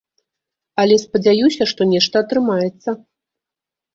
Але спадзяюся, што нешта атрымаецца.